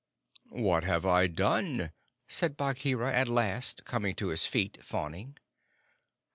"What have I done?" said Bagheera, at last, coming to his feet, fawning.